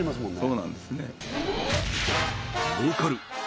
そうなんですね